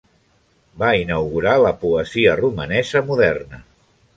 Va inaugurar la poesia romanesa moderna.